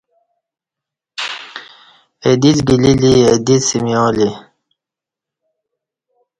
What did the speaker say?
اہ دیڅ گلی لی اہ دیڅ سمیالی